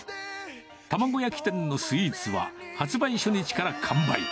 卵焼き店のスイーツは、発売初日から完売。